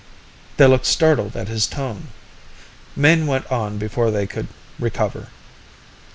They looked startled at his tone. Mayne went on before they could recover.